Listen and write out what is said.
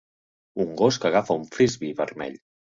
Un gos que agafa un Frisbee vermell.